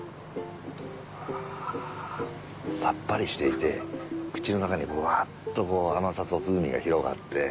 あさっぱりしていて口の中にうわっと甘さと風味が広がって。